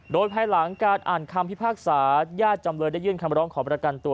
โดยภายหลังการอ่านคำพิพากษาญาติจำเลยได้ยื่นคำร้องขอประกันตัว